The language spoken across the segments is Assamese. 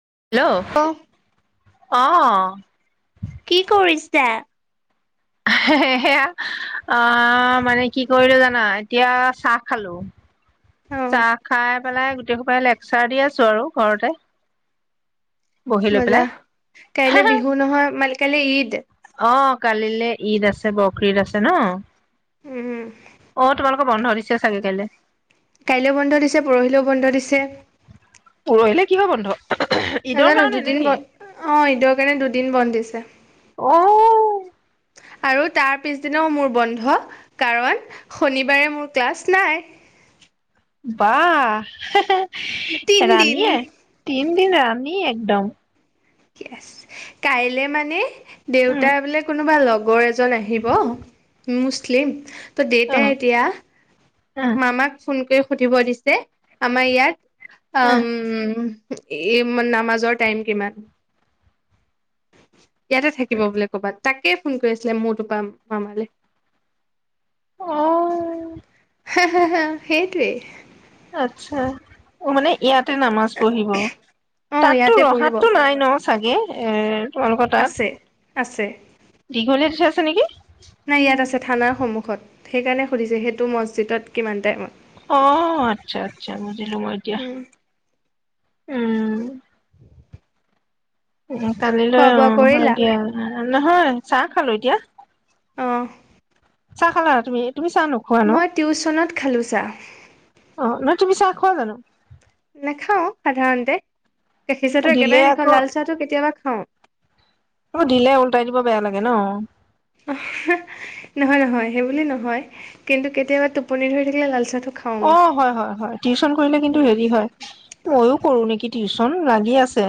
হেল্ল' অহ অ কি কৰিছে সেয়া অ মানে কি কৰিলো জানা এতিয়া চাহ খালো অ চাহ খাই পেলাই গ পাই এক্সাৰ দি আছো আৰু ঘৰতে বহি লৈ মজা পেলাই কাইলে বিহু নহয় মান কালে অ কালিলে ঈদ আছে বকঈদ আছে ন উমম অ তোমালোকৰ বন্ধ দিছে চাগে কাইলে কাইলৈও বন্ধ দিছে পৰহিলেও বন্ধ দিছে কি হয় বন্ধ ঈদৰ নাজানো কাৰণে দুদিন নেকি ব অ এইঈদৰ কাৰণে দুদিন বন্ধ দিছে ছে আহ আৰু তাৰ পিছদিনাও মোৰ বন্ধ কাৰণ শনিবাৰে মোৰ ক্লাছ নাই বাহ তিনদিন ৰাণীয়ে তিন দিন ৰাণীয়ে এক ডাওঁ কাইলে মানে উম দেউতা বোলে কোনোবা লগ লগৰ এজন আহিব মুছলিম ত অ দেউতাই এতিয়া অ মামাক ফোন কে সুধিব দিছে আমাৰ ইয়াত অ উম এই নামাজৰ টাইম কিমান ইয়াতে থাকিব বোলে ক'ৰবাত তাকেই ফোন কৰি আছিলে মোৰটোৰ পৰা মামালে আহ হ হা হা সেই তো য়ে আচ্ছা মানে ইয়াত তা নামাজ পঢ়িব অ তাত ইয়াতে পঢ়িব ৰহাতটো নাই ন চাগে এৰ কলকতাত আছে আছে দীঘলীৰ আছে নেকি নাই ইয়াত আছে থানাৰ সন্মূখত সেইকাৰণে সুধিছে সেইটো মছজিদত কিমান টাইমত আহ আচ্ছা আচ্ছা বুজিলো মই এতিয়া উম উ কালিলৈ খোৱা অ বোৱা হয় কৰিলা দিয়া নহয় চাহ খালো এতিয়া অ চাহ খালা তুমি তুমি চাহ নোখোৱা ন মই টিউশচনত খালোঁ চাহ অ নহয় তুমি চাহ খোৱা জানো নাখাও সাধাৰণতে গাখীৰ চাহটো দিলে একেবাৰে নগাঁও আকৌ লাল চাহটো কেতিয়াবা অ'। আকৌ দিলে উল্টাই দিব বেয়া লাগে ন'। নহয়, নহয় সেই বুলি নহয় কিন্তু কেতিয়াবা টোপনি ধৰিলে থাকিলে লাল চাহটো খাওঁ মই অ', হয়, হয়, হয় টিউচন কৰিলে কিন্তু উম হেৰি হয়, মইয়ো কৰো নেকি কি টিউচন লাগি আছে।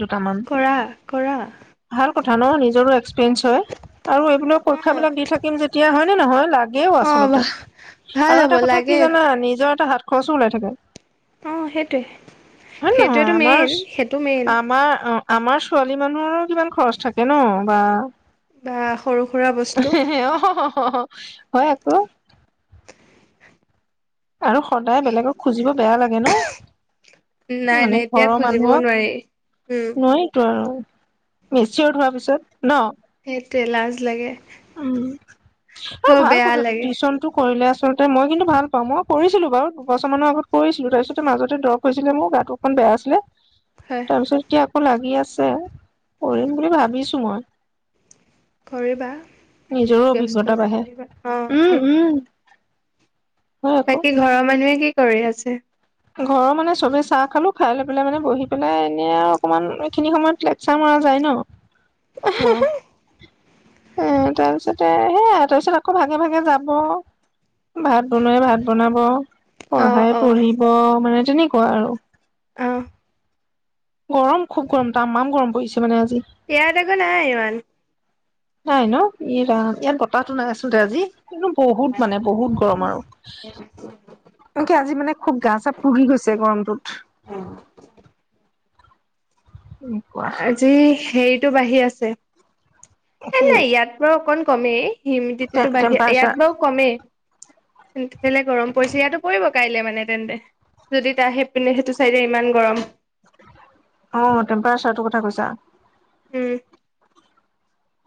দুটামান কৰা, কৰা। ভাল কথা ন' নিজৰো এক্স টন্স হয় আৰু এইবিলাক পৰীক্ষা বিলাক দি থাকিম যেতিয়া হয় নহয় লাগ অ', বা ভাল হ'ব কথা কি লাগে। জানা নিজৰ এটা হাত খৰচো ওলাই থাকে। অ', সেইটোৱে নে নহয় সেইটোৱেটো আমাৰ মেইন, সেইটো মেইন। আমাৰ অ আমাৰ ছোৱালী মানুহৰো কিমান খৰচ থাকে ন' বা। বা সৰু সুৰা বস্তু অহ, অহ, অহ। হয় আকৌ। আৰু সদায় বেলেগক খুজিব বেয়া লাগে নাই ন'। নাই মানে এতিয়া ঘৰৰ খুজিবও নোৱাৰি উম মানুহক নোৱাৰিটো আৰু। মিসিত হোৱাৰ পিছত ন'। সেইটোৱে লাজ লাগে। উম, আৰু ভাল বেয়া কথাটো লাগে টিউচনটো কৰিলে আ আচলতে মই কিন্তু ভাল পাওঁ মই কৰিছিলো বাৰু দুবছৰ মানৰ আগত কৰিছিলো তাৰপিছতে মাজতে দৰৱ হৈছিলে মোৰ গাটো অকণ বেয়া আছিলে। হয় তাৰ পিছত এতিয়া আকৌ লাগি আ আছে, কৰিম বুলি ভাবিছো মই। কৰিবা। নিজৰো ব্যস্ত অভিজ্ঞতা হৈ বাঢ়ে থাকিবা অ উম, সেইটোৱে উম। হয় আকৌ বাকী ঘৰৰ মানুহে কি কৰি আছে। ঘৰৰ মানে চবে চাহ খালোঁ, খাই লৈ পেলাই মানে বহি পেলাই এনে আৰু অকমান এইখিনি সময়ত লেকচাৰ মাৰা যায় অ ন'। [inaudible] এ তাৰপিছতে সেয়া তাৰপিছত আকৌ ভাগে, ভাগে যাব, ভাত বনোৱাই ভাত বনাব। অ পঢ়াই অ পঢ়ি মানে তেনেকুৱা আৰু অ গৰম খুব, গৰম তামাম গৰম পৰিছে। মানে আজি ইয়াত আকৌ নাই ইমান। নাই ন। ই ৰাম ইয়াত বতাহটো নাই আছলতে আজি। কিন্তু বহুত মানে, বহুত গৰম আৰু এনেকে আজি মানে গা চা পুৰি গৈছে গৰমটোত। এনেকুৱা আজি সেই [unintelligible] বাঢ়ি আছে এ কি নাই ইয়াত বাৰু অকণ [unintelligible] কমেই [unintelligible] হিমিডিটিটো বাঢ়ি আছে, ইয়াত টেম্পাৰেচাৰ বাৰু কমেই সেফালে গৰম পৰিছে, ইয়াতো পৰিব কাইলে মানে তেন্তে যদি ত সেইপিনে, সেইটো চাইডে ইমান গৰম অ টেম্পাৰেচাৰটোৰ কথা কৈছা [unintelligible] উম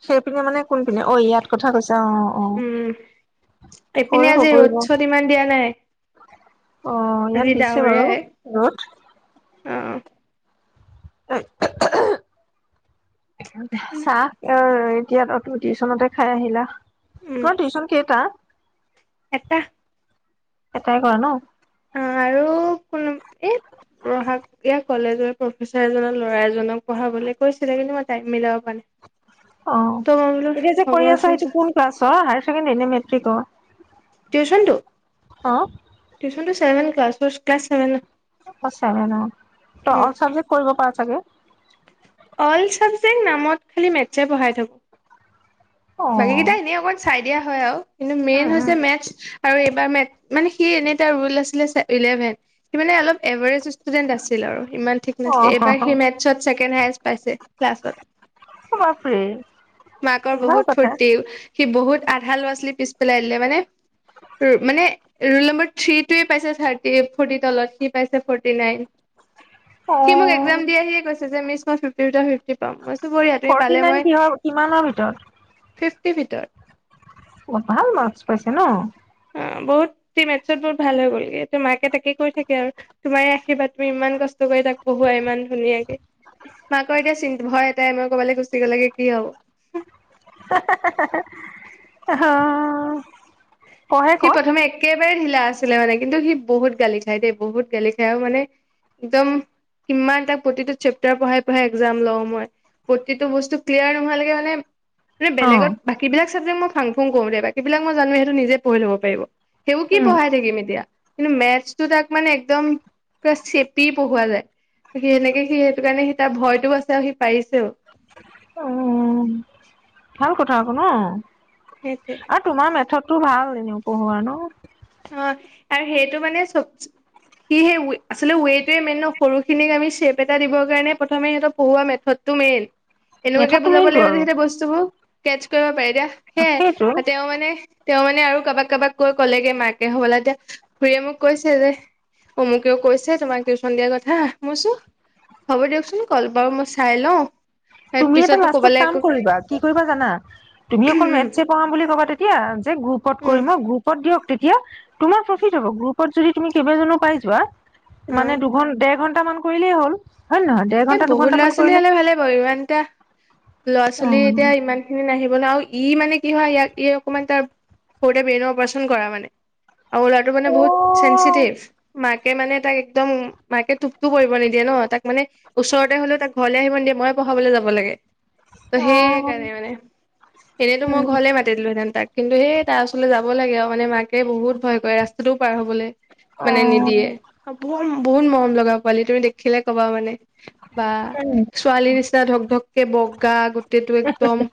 সেইপিনে মানে কোন পিননে অ ইয়াত কথা কৈছা অ অ উম এইপিনে কৰিব, আজি ৰ'দ কৰিব চ'দ ইমান দিয়া নাই অ, আজি ইয়াত দিছে বাৰু ৰ'দ আঁহ [unintelligible] চাহ অ এতিয়া টো টিউচনতে খাই আহিলা। উম কৰা টিউচন কেইটাা [unintelligible] এটা এটাই কৰা ন, আৰু কজ এঢ় কৈছিল কিন্তু মাব নে [unintelligible] অ, এতিয়া যে কৰি আছা ৰচোন সেইটো কোন ক্লাছৰ হায়াৰ ছেকেণ্ডৰী নে মেট্ৰিকৰ টউচনটো অ [unintelligible] টোভেন ক্লছ ক্লা চছেভে [unintelligible] চেভেণ্ট, অল চাবজেক্ কৰিব পৰা চাগে অল চাবজেক্ট নামত খালি মেথছে পঢ়াই থব অ [unintelligible] বাকীকেইটা এনেই অকণ চাই দিয়া হয় আৰু কিন্তু মেইন হৈছে উম মাত আৰু এইবাৰ মানে সি এনে এটা ৰৰুল আছিলে ইলেভেন সি মানে অলপ এভাৰেজ ষ্টুডেণ্ট আছিল আৰু ইমান ঠিক উম অ নাছিল এবাৰ সেই মেটছত ছেকেণ্ড হায়ষ্ট [unintelligible] ফূৰ্তি, বাপৰে মাকৰ ভাল বহুত কথা ফূৰ্তি বহুত আধা ল'ৰা ছোৱালী পিছ পেলাই আনিলে মানে উম মানে ল নম্ব থে থ ফট তলত নন অ [unintelligible] সি মোক একজাম দি আহি কৈছে যে মিছ ত টা ফৰ্টি নাইন কিহৰ কিমানৰ ভিতৰত ফিফটি ভিতৰত অ ভাল মাৰ্কছ পাইছে ন অ বহুত মেটছত বহুত ভাল হৈ গ'লগে তোমাকে তাকে কৈ থাকে আৰু তোমাৰ সেই বাত ইমান কষ্ট কৰি তাক বহুৱাই ইমান ধুনীয়াকে মাকৰ এতিয়া চি ভয় এটাই মই কৰবালৈ গুচি গ'লগে কি হব [inaudible] হ সি প্ৰথমে একে একেবাৰে ঢিলা আছিলে মানে কিন্তু সি বহুত গালি খায় দেই বহুত গালি খায় আৰু মানে একদম কিমান এটা প্ৰতিটো চেপ্তাৰ পঢ়াই পঢ়াই এক্জাম লওঁ মই প্ৰতিটো বস্তু ক্লিয়াৰ নোহালৈকে মানে ম অ', বেলেগত বাকী বিলাক চাবজেকট মই ভা কোন কৰো দেই বাকীবিলাক মই জানো সেইটো নিজে কৰি ল'ব পাৰিব সেইবোৰ কি উম। পঢ়াই থাকিম এতিয়া কিন্তু মেথছটো তাক মানে একদম চেপি পঢ়োৱা যায় সি সেনেকে সি সেইটো কাৰণে সি তাৰ ভয়টোও আছে আৰু সি পাৰিছেও উম ভাল কথা আকৌ না সেইটোৱে আৰু তোমাৰ মেথত টো ভাল এনেও পঢ়ুৱা ন অ আৰু সেইটো মানে চ সি সেই আচল ৱেটোৱে মেইন ন সৰুখিনিক আমি চেপ এটা দিবৰ কাৰণে প্ৰথমে সিহত পঢ়োৱা মেথডটো মেইন এনেকুৱাকে মেথডটো বুজাব মেইনটো লাগিব যে আৰু সিহতে বস্তুবোৰ কেচ কৰিব পাৰি এতিয়া সেইটো সেয়াই তেওঁ মানে তেওঁ মানে আৰু কাবাক কাৰোবাক কৈ কলেগে মাক তাকে হবলা এতিয়া খুৰীয়ে মোক কৈছে যে অমুকেও কৈছে তোমাক টিউচন দিয়াৰ কথা মই চো হ'ব দিয়কচোন কল বাৰু মই চাই লওঁ তুমি এটা পিছতো লাষ্টত ক'বালে কাম একো কৰিবা কি কৰিবা জানা তুমি অকল উম মেথচ পঢ়াম বুলি ক'বা তেতিয়া যে গ্ৰুপ কত উম কৰিম অ গ্ৰুপত দি চ তেতিয়া তোমাৰ প্ৰফিট হব গ্ৰু ৰত যদি তুমি কেইবাজনো পাই যোৱা অ মানে দুঘন ডেৰ ঘণ্টা এটামান কৰিলেই হ'ল হয় নে নহয়? ডেৰ এ ঘন্টা বহুত দুঘন্টা ল'ৰা মান ছোৱালী কৰিলে হ'লে ভালে বাৰু ইমান এ ল'ৰা ছোৱালী এতিয়া অ'। ইমান খিনি নাহিব আৰু ই মানে কি হয় ইয়াক ই অকনমান তাৰ সৰুতে ব্ৰেইনৰ অপাৰচন কৰা মানে আৰু লৰাটো মানে বহুত অ', চেনচিটিভ মা মাকে মানে তাক একদম মাকে টোপটো কৰিব নিদিয়ে ন তাক মানে ওচৰতে হ'লেও তাক ঘৰলৈ আহিব দিয়ে ময়ে পঢ়াবলৈ যাব লাগে ত সেই অ', কাৰণে মানে এনেইতো মই উম, ঘৰলে মাতি দিলোহেঁতেন তাক কিন্তু সেই তাৰ ওচৰলৈ যাব লাগে আৰু মানে মাকে বহুত ভয় কৰে ৰাস্তা টো পাৰ হবলৈ মানে নিদিয়ে অ', বহুত মৰম লগা পোৱালি তুমি দেখিলে ক'বা মানে বা ছোৱালীৰ নিচিনা ধক ধককে বগা গোটেইটো একদম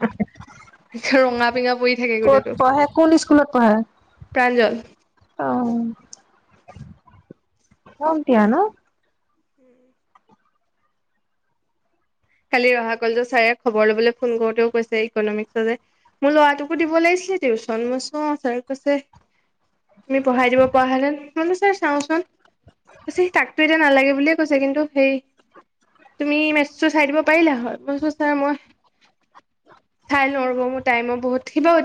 ৰঙা পিঙা পৰি থাকে ক'ত গোটেইটো পঢ়ে কোন স্কুলত পঢ়ে? প্ৰাঞ্জল কম কালি ৰহা কলেজৰ ছাৰে খবৰ লবলৈ ফোন কৰোতেও কৈছে ইকনমিক্স যে মোৰ ল'ৰাটোকো দিব লাগিছিলে টিউশ্যন মই অ ছাৰ কৈছে তুমি পঢ়াই দিব পৰা হলে চাওঁচোন কৈছে তাকতো এতিয়া নালাগে বুলিয়ে কৈছে কিন্তু সেই তুমি চাই দিব পাৰিলা হয় মই বোলো ছাৰ মই চাই লওঁ ৰব মোৰ টাইমৰ বহুত সি বাৰু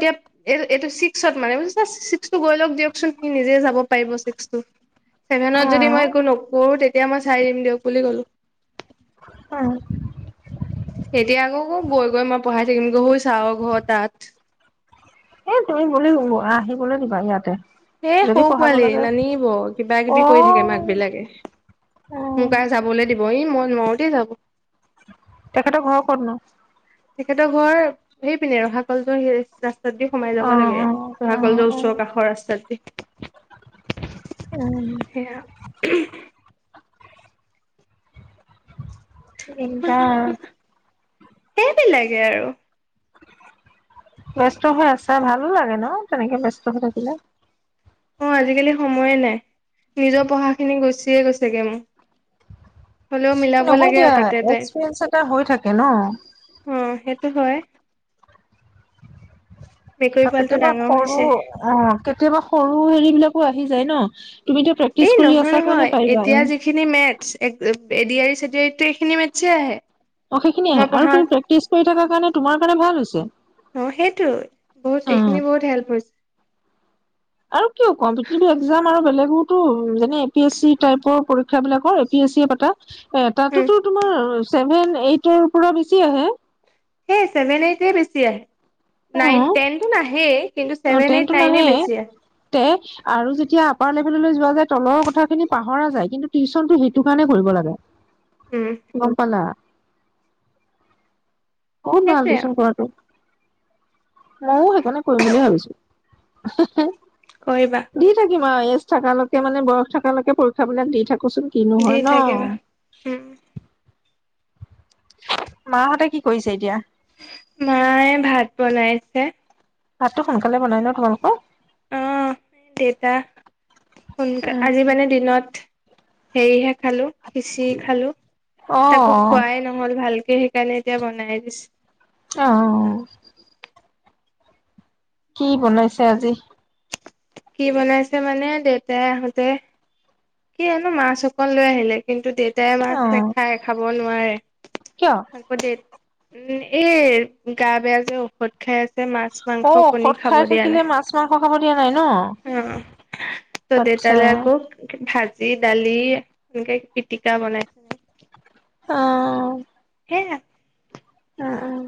এতিয়া ছিক্সত ত নিজে যাব পাৰিব চিক্সটো ছেভেনত যদি অ', মই একো নকৰো তেতিয়া মই চাই দিম দিয়ক বুলি কলো অঃ এতিয়া আকৌ কয় গৈ গৈ মই পঢ়াই থাকিমগৈ সৌ চাৰৰ ঘৰ তাত এ তুমি বুলি আহিবলৈ দিবা ইয়াতে এ সৰু যদি পঢ়াব পোৱালি লাগে নানিব কিবা কিবি কৰি থাকে অ', মাক বিলাকে অ', মোক আৰু যাবলে দিব ই মই নোৱাৰো দেই যাব তেখেতৰ ঘৰ ক'তনো? তেখেতৰ ঘৰ সেই পিনে ৰহা কলেজৰ ৰা ৰাস্তাত দি সোমাই অ', যাব লাগে অ', ৰহা অ', কলেজৰ অ', ওচৰ কাষৰ ৰাস্তা দি উম সেয়া দিগদাৰ সেইবিলাকে আৰু ব্যস্ত হৈ আছা ভালো লাগে ন তেনেকৈ ব্যস্ত হৈ থাকিলে অঁ আজিকালি সময়ে নাই নিজৰ পঢ়াখিনি গুচিয়ে গৈছেগে মোৰ হ'লেও মিলাব নহয় লাগে দিয়া আৰু তাতে তাই এক্সপিৰিয়েঞ্চ এটা হৈ থাকে অ ন সেইটো হয় মেকুৰী পোৱালিটো কেতিয়াবা ডাঙৰ সৰু হৈছে অঁ কেতিয়াবা সৰু হেৰি বিলাকো আছে আহি যায় ন তুমি এতিয়া এই প্ৰেক্টিচ কৰি আছা কাৰণে পাৰিবা এক এডিয়াৰী চেডিয়াৰীতটো এইখিনি মেথচে আহে অ সেইখিনি আহে মই আৰু পঢ়া তুমি প্ৰেক্টিচ কৰি থকা কাৰণ তোমাৰ কাৰণ ভাল হৈছে অ সেইটো বহুত অ এইখিনি বহুত হেল্প হৈছে আৰু কিয় কম্পিটিিভ এক্জাম আৰু বেলেগ বহুতো যেনে এ পি এছ চি টাইপৰ পৰীক্ষা বিাকৰ এ পি এছ চি পাতা এ উম তাতোতো তোমাৰ ছেভেন এইটৰ পৰা বেছি আহে সেই চেভেনাইটে বেছি আহ নাইন েনন আহ অ টনটো নাহে তে আৰু যেতিয়া আপাৰ লেভেললৈ োৱা যে তলৰ কথা খিনি পাহৰা যায় কিন্তু টিউশচনতটো সেইটো কাৰণে ঘৰিব লাগে উম। গৰ পালা কৰ নাল সেইটোৱে দেছোন আৰু কটো ময়ও সেইকাৰণে কৰিম বুলিয়ে ভাবিছো কৰিব বা দি থাকিম এজ থাকালকে মানে বয়স থাকালৈকে পৰীক্ষা বিিলাক দি থাকে কচোন কিনো দি হয় ন থাকিবা। উম মাহঁতে কি কৰিছে এতিয়া মায়ে ভাত বনাইছে ভাতটো সোনকালে বনাই ন তোমালোকৰ আহ দেউতা সোনকাল আজি মানে দিনত সেইহে খালো খিঁচি খালো অ তাকো অ খুৱাই নহল ভালকে সেইিকণেতিয়া বনাই দিছ আহ কি বনাইছে আজি কি বনাইছে মানে দেউতাই আহোঁতে কি আনো মাছ অকন লৈ আহিলে কিন্তু দেউত টাই মাছ অ', নাখায় খাব নোৱাৰে কিয় আকৌ দ উম এৰ গা বেয়া যে ঔষধ খাই আছে মাছ মাংস কণী খাব দিয়া নে ভ অ তোতে আচ্ছা তোললে আকৌ ভাত যি দালি এনেকে পিটিকা বনাইছে অ সেই ন উম উম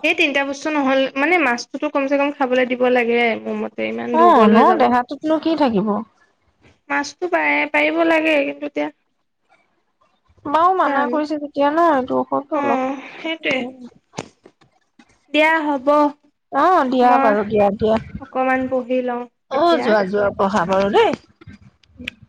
সেই তিনটা বস্তু নহল মানে মাছটোতো কম চে কম খাবলৈ দিব লাগে মোৰ মতে ইমান অ', ন দুৰ্বল হৈ যাব দেহাটোতনো কি থাকিব? মাছতো পাই পাৰিব লাগে। কিন্তু এতিয়া বাও মানা জানো কৰিছে, তেতিয়া নাই। এইটোৰ অ অলপ সেইটোৱে দিয়া হব। অ, দিয়া মই বাৰু দিয়া, দিয়া অকমান বহি লওঁ অ এতিয়া। যোৱা, যোৱা পঢ়া বাৰু দেই। উ।